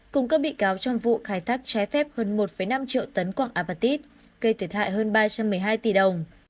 cùng các bị cáo trong vụ khai thác trái phép hơn một năm triệu tấn quạng apatit gây thiệt hại hơn ba trăm một mươi hai tỷ đồng